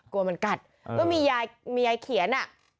กลัวมันกัดก็มียายเขียน